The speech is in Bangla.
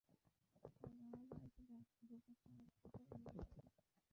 হেই, আমার বাড়িতে ঢোকার সাহস কী করে হলো তোর?